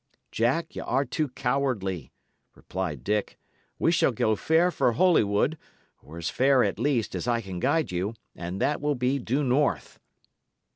"Jack, y' are too cowardly," replied Dick. "We shall go fair for Holywood, or as fair, at least, as I can guide you, and that will be due north."